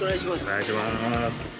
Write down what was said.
お願いします